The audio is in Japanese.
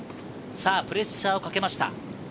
プレッシャーをかけました。